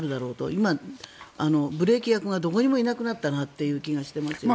今、ブレーキ役がどこにもいなくなった気がしますね。